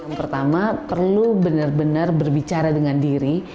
yang pertama perlu benar benar berbicara dengan diri